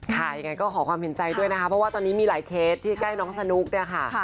ยังไงก็ขอความเห็นใจด้วยนะคะเพราะว่าตอนนี้มีหลายเคสที่ใกล้น้องสนุกเนี่ยค่ะ